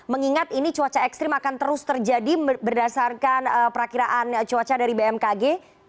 mengingat ini cuaca ekstrim akan terus terjadi berdasarkan perakiraan cuaca dari bmkg